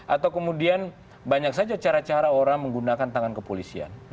atau kemudian banyak saja cara cara orang menggunakan tangan kepolisian